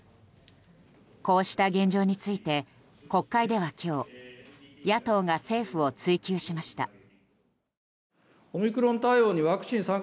こうした現状について国会では今日野党が政府を追及しました。